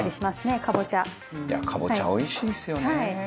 いやカボチャおいしいですよね。